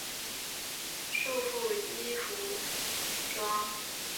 束缚衣服装。